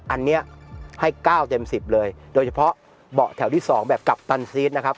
อันนี้ให้๙เต็ม๑๐เลยโดยเฉพาะเบาะแถวที่๒แบบกัปตันซีสนะครับ